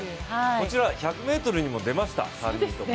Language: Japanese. こちら、１００ｍにも出ました３人とも。